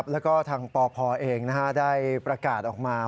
แล้วก็ทางปพเองได้ประกาศออกมา